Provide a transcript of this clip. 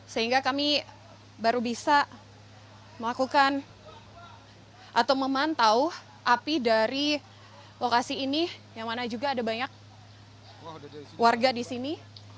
sehingga kami baru bisa melakukan atau memantau api dari lokasi ini yang mana juga ada banyak warga di sini